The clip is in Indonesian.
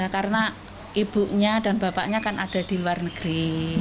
karena ibunya dan bapaknya kan ada di luar negeri